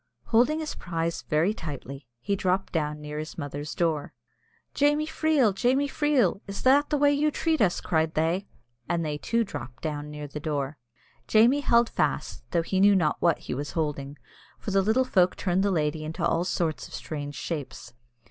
Holding his prize very tightly, he dropped down near his mother's door. "Jamie Freel, Jamie Freel! is that the way you treat us?" cried they, and they too dropped down near the door. Jamie held fast, though he knew not what he was holding, for the little folk turned the lady into all sorts of strange shapes.